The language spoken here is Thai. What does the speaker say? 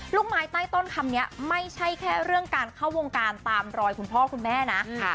ลูกไม้ใต้ต้นคำนี้ไม่ใช่แค่เรื่องการเข้าวงการตามรอยคุณพ่อคุณแม่นะ